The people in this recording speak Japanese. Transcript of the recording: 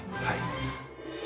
はい。